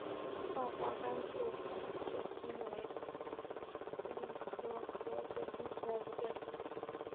大花甘肃紫堇为罂粟科紫堇属下的一个变种。